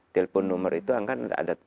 telepon nomor itu akan ada tugas datang